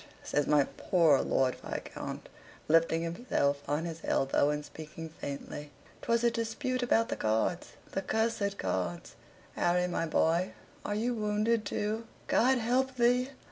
says my poor Lord Viscount, lifting himself on his elbow and speaking faintly. "'Twas a dispute about the cards the cursed cards. Harry my boy, are you wounded, too? God help thee!